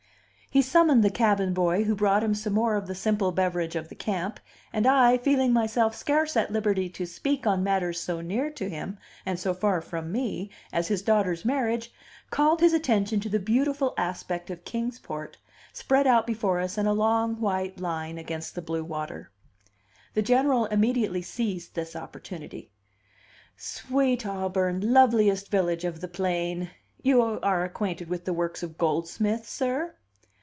He summoned the cabin boy, who brought him some more of the simple beverage of the camp, and I, feeling myself scarce at liberty to speak on matters so near to him and so far from me as his daughter's marriage, called his attention to the beautiful aspect of Kings Port, spread out before us in a long white line against the blue water. The General immediately seized his opportunity. "'Sweet Auburn, loveliest village of the plain!' You are acquainted with the works of Goldsmith, sir?"